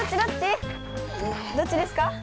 どっちですか？